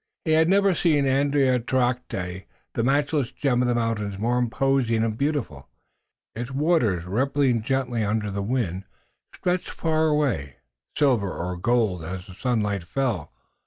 He had never seen Andiatarocte, the matchless gem of the mountains, more imposing and beautiful. Its waters, rippling gently under the wind, stretched far away, silver or gold, as the sunlight fell.